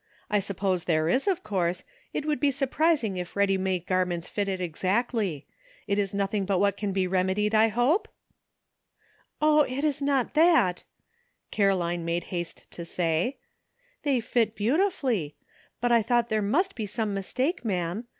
I sup pose there is, of course ; it would be surprising if ready made garments fitted exactly. It is nothing but what can be remedied, I hope ?" BORROWED TROUBLE. 229 *'0h! it is not that," Caroline made haste to say; "they fit beautifully; but I thought there must be some mistake, ma'am.